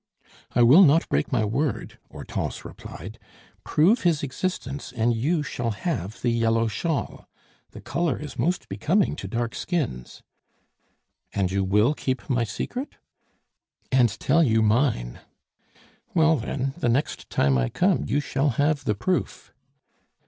"I will not break my word," Hortense replied; "prove his existence, and you shall have the yellow shawl. The color is most becoming to dark skins." "And you will keep my secret?" "And tell you mine." "Well, then, the next time I come you shall have the proof."